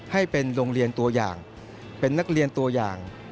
ให้เป็นโรงเรียนตัวอย่างเป็นนักเรียนตัวอย่าง